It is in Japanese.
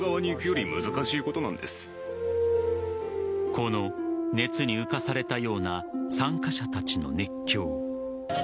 この、熱に浮かされたような参加者たちの熱狂。